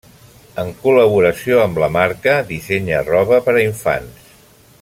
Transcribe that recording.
En col·laboració amb la marca, dissenya roba per a infants.